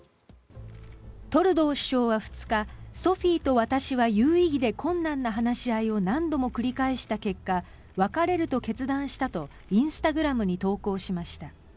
トルドー首相は２日ソフィーと私は有意義で困難な話し合いを何度も繰り返した結果別れると決断したとインスタグラムに投稿しました。